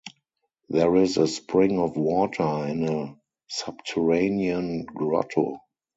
There is a spring of water in a subterranean grotto.